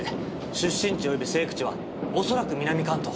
出身地及び成育地はおそらく南関東。